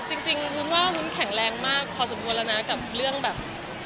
เยอะอะค่ะก็จริงวุ้นว่าวุ้นแข็งแรงมากพอสมบูรณากับเรื่องแบบ